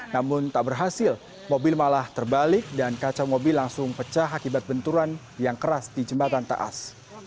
namun tak berhasil mobil malah terbalik dan kaca mobil langsung pecah akibat benturan yang keras di jembatan taas